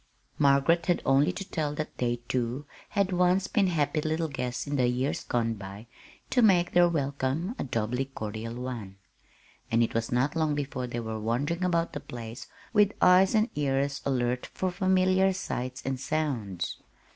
Margaret had only to tell that they, too, had once been happy little guests in the years gone by, to make their welcome a doubly cordial one; and it was not long before they were wandering about the place with eyes and ears alert for familiar sights and sounds.